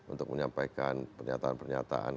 untuk menyampaikan pernyataan pernyataan